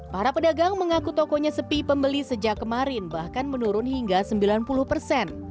para pedagang mengaku tokonya sepi pembeli sejak kemarin bahkan menurun hingga sembilan puluh persen